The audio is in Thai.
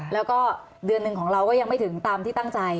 แล้วก็เดือนหนึ่งของเราก็ยังไม่ถึงตามที่ตั้งใจ